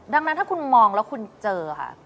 ดังนั้นถ้าคุณมองแล้วคุณเจอค่ะ